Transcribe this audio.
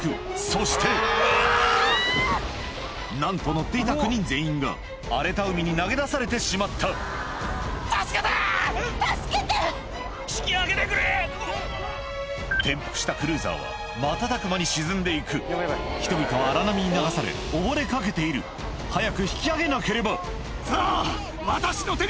そしてなんと乗っていた９人全員が荒れた海に投げ出されてしまった転覆したクルーザーは瞬く間に沈んで行く人々は荒波に流され溺れかけている早く引き上げなければさぁ。